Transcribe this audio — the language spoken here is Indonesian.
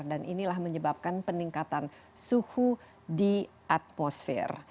dan inilah menyebabkan peningkatan suhu di atmosfer